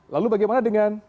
lalu bagaimana dengan